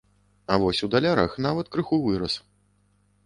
А вось у далярах нават крыху вырас.